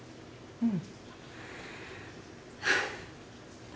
うん。